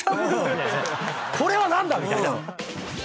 これは何だ⁉みたいな。